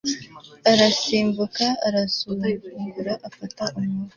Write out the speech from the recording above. Arasimbuka arazunguruka afata umwobo